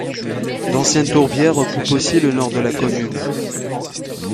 D'anciennes tourbières occupent aussi le nord de la commune.